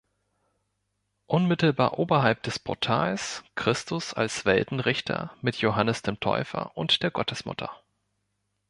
Unmittelbar oberhalb des Portals Christus als Weltenrichter mit Johannes dem Täufer und der Gottesmutter.